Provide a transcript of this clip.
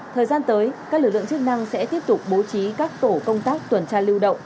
thời gian tới các lực lượng chức năng sẽ tiếp tục bố trí các tổ công tác tuần tra lưu động